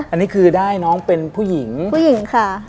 อันนี้คือได้น้องเป็นผู้หญิงผู้หญิงค่ะ